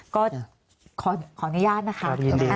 ก็ขออนุญาตนะคะ